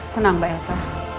tenang mbak elsa